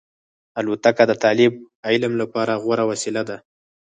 الوتکه د طالب علم لپاره غوره وسیله ده.